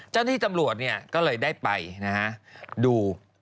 เจ้าหน้าที่ตำรวจก็เลยได้ไปดู